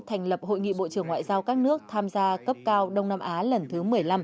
thành lập hội nghị bộ trưởng ngoại giao các nước tham gia cấp cao đông nam á lần thứ một mươi năm